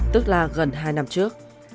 tức là gần hai năm trước